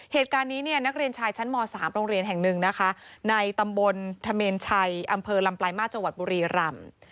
เหตุการณ์นี้เนี่ยนักเรียนชายชั้นม๓โรงเรียนแห่งหนึ่งนะคะในตำบลธเมนชัยอำเภอลำปลายมาสจังหวัดบุรีรำ